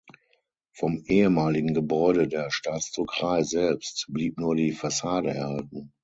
Vom ehemaligen Gebäude der Staatsdruckerei selbst blieb nur die Fassade erhalten.